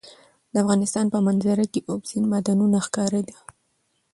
د افغانستان په منظره کې اوبزین معدنونه ښکاره ده.